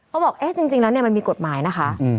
บอกเอ๊ะจริงแล้วมันมีกฎหมายนะคะ